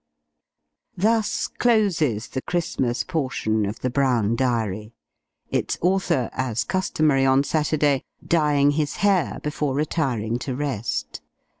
Thus closes the Christmas portion of the Brown Diary: its author, as customary on Saturday, dyeing his hair, before retiring to rest.